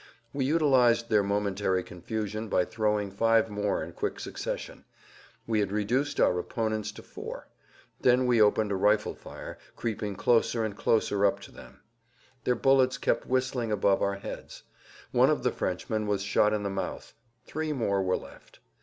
We utilized their momentary confusion by throwing five more in quick succession. We had reduced our opponents to four. Then we opened a rifle fire, creeping closer and closer up to them. Their bullets kept whistling above our heads. One of the Frenchmen was shot in the mouth; three more were left.